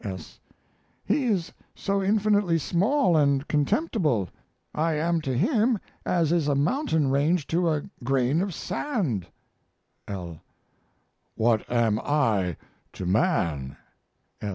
S. He is so infinitely small and contemptible. I am to him as is a mountain range to a grain of sand. L. What am I to man?